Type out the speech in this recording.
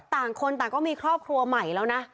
ต่างคนต่างก็มีครอบครัวใหม่แล้วนะ